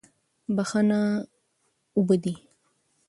بښنه اوبه دي.